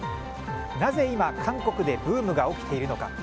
なぜ今、韓国でブームが起きているのか。